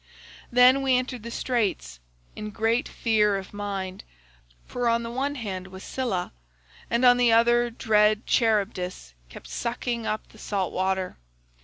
"Then we entered the Straits in great fear of mind, for on the one hand was Scylla, and on the other dread Charybdis kept sucking up the salt water.